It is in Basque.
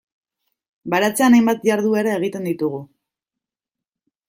Baratzean hainbat jarduera egiten ditugu.